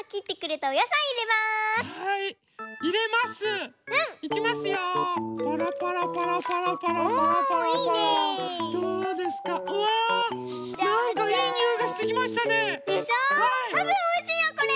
たぶんおいしいよこれ。